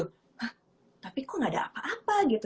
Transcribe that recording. hah tapi kok gak ada apa apa gitu